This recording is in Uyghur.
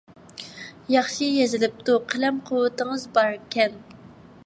ياخشى يېزىلىپتۇ، قەلەم قۇۋۋىتىڭىز باركەن.